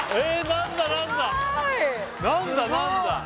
何だ何だ